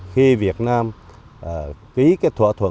khi việt nam ký cái thỏa thuận